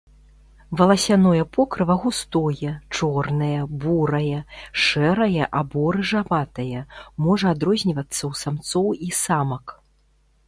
Валасяное покрыва густое, чорнае, бурае, шэрае або рыжаватае, можа адрознівацца ў самцоў і самак.